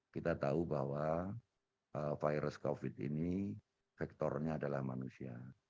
kita tahu bahwa virus covid ini faktornya adalah manusia